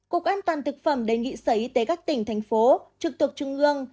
cục an toàn thực phẩm đề nghị sở y tế các tỉnh thành phố trực thuộc trung ương